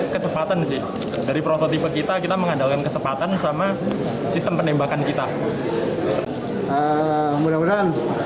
kecepatan sih dari prototipe kita kita mengandalkan kecepatan sama sistem penembakan kita mudah mudahan